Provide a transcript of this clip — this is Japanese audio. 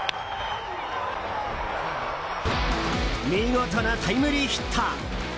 見事なタイムリーヒット！